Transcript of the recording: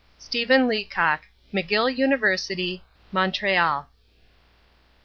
STEPHEN LEACOCK McGill University, Montreal I.